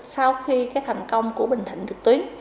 sau khi thành công của bình thịnh trực tuyến